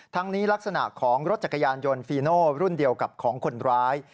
ทั้งนี้ลักษณะของรถจักรยานยนต์ฟีโน่รุ่นเดียวกับของคนร้าย